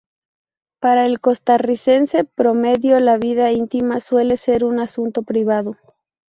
Para el costarricense promedio la vida íntima suele ser un asunto privado.